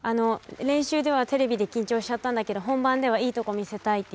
練習ではテレビで緊張しちゃったんだけど本番ではいいとこ見せたいって言ってました。